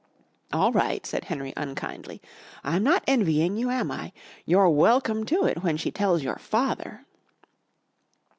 "All right," said Henry unkindly. "I'm not envying you, am I? You're welcome to it when she tells your father."